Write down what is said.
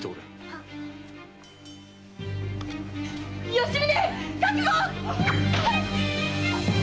吉宗覚悟！